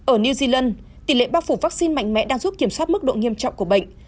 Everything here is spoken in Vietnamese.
ở new zealand tỷ lệ bao phủ vaccine mạnh mẽ đang giúp kiểm soát mức độ nghiêm trọng của bệnh